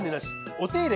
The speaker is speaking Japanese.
お手入れ